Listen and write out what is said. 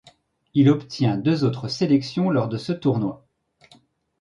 Il obtient deux autres sélections lors de ce tournoi.